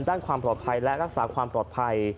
ด้านความปลอดภัยและรักษาความปลอดภัย